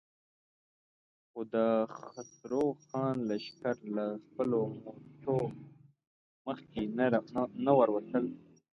خو د خسرو خان لښکر له خپلو مورچو مخکې نه ورتلل.